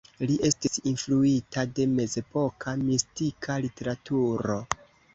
Li estis influita de mezepoka mistika literaturo.